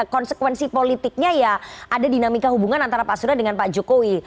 konsekuensi politiknya ya ada dinamika hubungan antara pak surya dengan pak jokowi